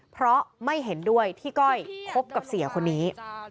เพราะไม่เห็นด้วยที่ก้อยคบกับเสียคนนี้